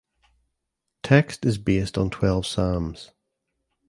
Text is based on twelve psalms.